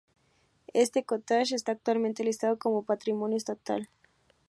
Este ""cottage"" está actualmente listado como patrimonio estatal.